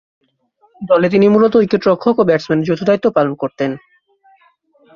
দলে তিনি মূলতঃ উইকেট-রক্ষক ও ব্যাটসম্যানের যৌথ দায়িত্ব পালন করতেন।